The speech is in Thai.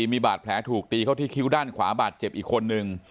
มีบาดแผลถูกตีเข้าที่คิ้วด้านขวาบาดเจ็บอีกคนนึง